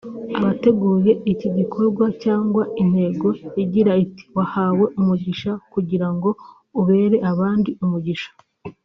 Abateguye iki gikorwa cyahawe intego igira iti "Wahawe umugisha kugira ngo ubere abandi umugisha"